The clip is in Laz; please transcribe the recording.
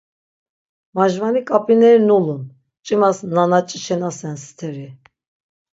Majvani k̆ap̆ineri nulun, mç̆imas na naç̆işinasen steri...